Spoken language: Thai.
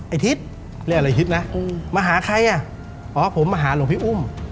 ทิศเรียกอะไรฮิตนะมาหาใครอ่ะอ๋อผมมาหาหลวงพี่อุ้ม